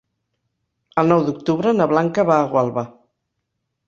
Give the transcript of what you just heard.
El nou d'octubre na Blanca va a Gualba.